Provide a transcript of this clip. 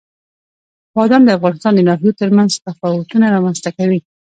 بادام د افغانستان د ناحیو ترمنځ تفاوتونه رامنځته کوي.